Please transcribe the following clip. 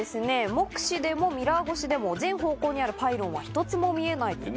目視でもミラー越しでも全方向にあるパイロンは１つも見えない。